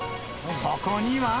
そこには。